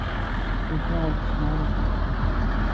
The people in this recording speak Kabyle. Maca ur k-ssineɣ ara akk.